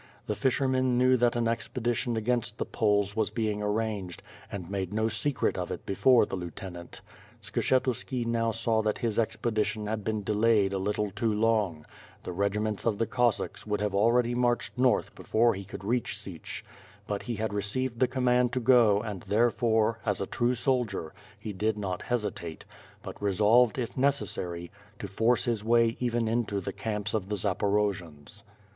The fishennen knew that an ex pedition against the Poles was being arranged, and made no WITB FIRE AND 8W0RD. ng secret of it before the lieutenant. Skshetuski now saw that his expedition had been delayed a little too long; the regi ments of the Cossacks would have already marched north before he could reach Sich but he had received the command to go and therefore, as a true soldier, he did not hesitate, but resolved, if necessary, to force his way even into the camps of the Zaporojians.